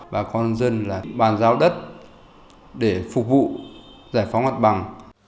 bà con dân là bàn giao đất để phục vụ giải phóng mặt bằng